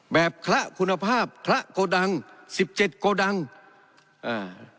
คละคุณภาพคละโกดังสิบเจ็ดโกดังอ่า